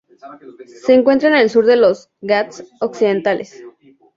Se encuentra en el sur de los Ghats occidentales.